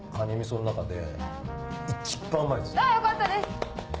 よかったです！